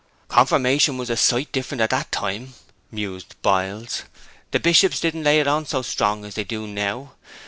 'Confirmation was a sight different at that time,' mused Biles. 'The Bishops didn't lay it on so strong then as they do now.